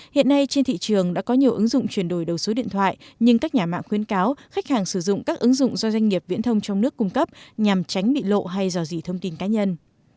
hiện nay trên thị trường đã có nhiều ứng dụng chuyển đổi đầu số điện thoại nhưng các nhà mạng khuyến cáo khách hàng sử dụng các ứng dụng do doanh nghiệp viễn thông trong nước cung cấp nhằm tránh bị lộ hay dò dị thông tin cá nhân